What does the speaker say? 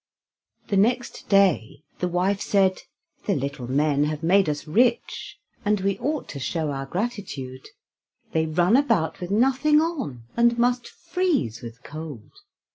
The next day the wife said: "The little men have made us rich, and we ought to show our gratitude. They run about with nothing on, and must freeze with cold.